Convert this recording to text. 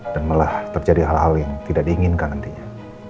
dan malah terjadi hal hal yang tidak diinginkan nantinya